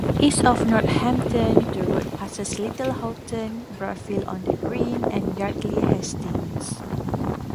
East of Northampton the road passes Little Houghton, Brafield-on-the-Green and Yardley Hastings.